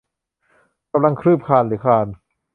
กำลังคืบคลานหรือคลาน